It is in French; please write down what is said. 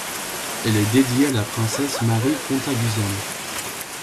Elle est dédiée à la princesse Marie Cantacuzène.